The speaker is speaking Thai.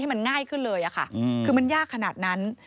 มันง่ายขึ้นเลยค่ะคือมันยากขนาดนั้น